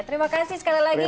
terima kasih sekali lagi